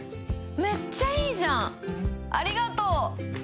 めっちゃいいじゃんありがとう！